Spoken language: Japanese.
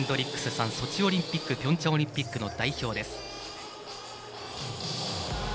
ソチオリンピックピョンチャンオリンピックの代表。